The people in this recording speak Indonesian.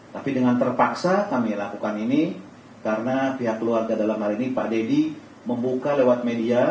tapi dengan terpaksa kami lakukan ini karena pihak keluarga dalam hal ini pak deddy membuka lewat media